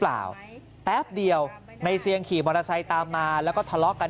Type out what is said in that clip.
เปล่าแป๊บเดียวในเสียงขี่มอเตอร์ไซค์ตามมาแล้วก็ทะเลาะกัน